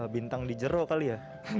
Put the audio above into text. bintang di jeruk kali ya